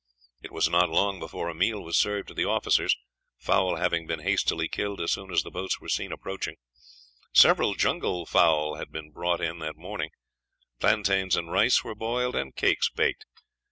It was not long before a meal was served to the officers, fowl having been hastily killed as soon as the boats were seen approaching; several jungle fowl had been brought in that morning; plaintains and rice were boiled, and cakes baked.